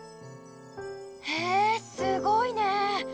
へえすごいね！